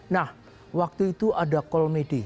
nah waktu itu ada call me di